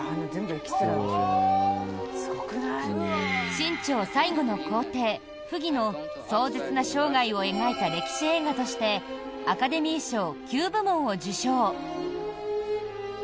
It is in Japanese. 清朝最後の皇帝、溥儀の壮絶な生涯を描いた歴史映画としてアカデミー賞９部門を受賞。